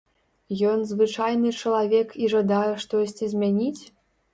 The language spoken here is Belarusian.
Ён звычайны чалавек і жадае штосьці змяніць?